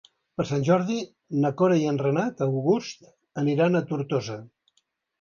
Per Sant Jordi na Cora i en Renat August aniran a Tortosa.